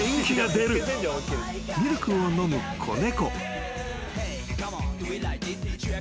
［ミルクを飲む子猫］